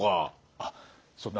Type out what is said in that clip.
あっそうだ。